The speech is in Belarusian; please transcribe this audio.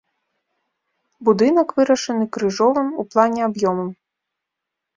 Будынак вырашаны крыжовым у плане аб'ёмам.